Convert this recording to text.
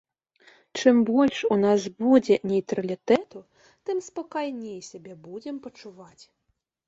Чым больш у нас будзе нейтралітэту, тым спакайней сябе будзем пачуваць.